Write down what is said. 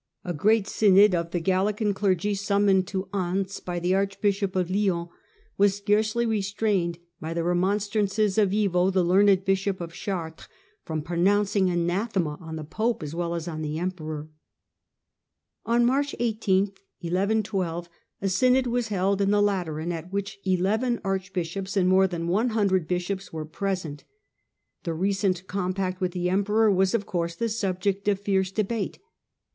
A great synod of the Gallican clergy summoned to Anse by the archbishop of Lyons was scarcely restrained by the remonstrances of Ivo, the learned bishop of Chartres, from pronouncing anathema on the pope as well as the emperor. On March 18 a synod was held in the Lateran at which eleven archbishops and more than one hundred Lateran bishops Were present. The recent compact synod, 1112 ^j^j^ ^^ empcror was of course the subject of fierce debate.